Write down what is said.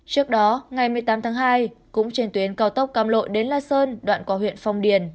trước đó ngày một mươi tám tháng hai cũng trên tuyến cao tốc cam lộ đến la sơn đoạn qua huyện phong điền